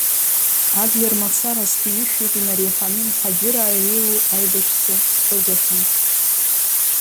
Адлер мацара зқьи ҩышәҩык инареиҳаны мҳаџьыраа иреиуоу аибашьцәа ӡхыргахьан.